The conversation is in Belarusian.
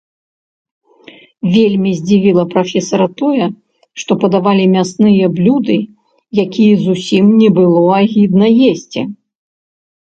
Вельмі здзівіла прафесара тое, што падавалі мясныя блюды, якія зусім не было агідна есці.